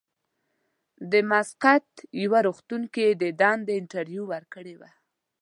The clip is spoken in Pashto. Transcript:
د مسقط یوه روغتون کې یې د دندې انټرویو ورکړې وه.